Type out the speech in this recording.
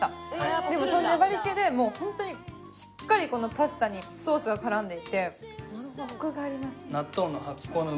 でもその粘り気でもうホントにしっかりこのパスタにソースが絡んでいてコクがあります。